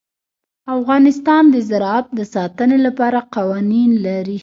افغانستان د زراعت د ساتنې لپاره قوانین لري.